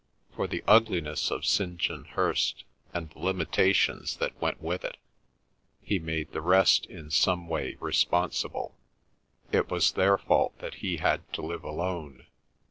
For the ugliness of St. John Hirst, and the limitations that went with it, he made the rest in some way responsible. It was their fault that he had to live alone.